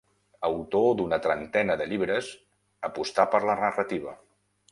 Autor d'una trentena de llibres, apostà per la narrativa.